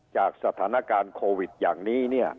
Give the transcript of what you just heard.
จากสถานการณ์โควิดอย่างนี้